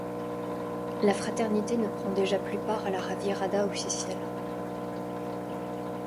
La Fraternité ne prend déjà plus part à la javierada officielle.